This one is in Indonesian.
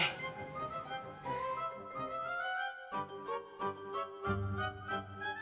ih ih ih apaan sih kamu